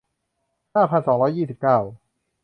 ห้าพันสองร้อยยี่สิบเก้า